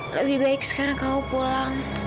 lebih baik sekarang kau pulang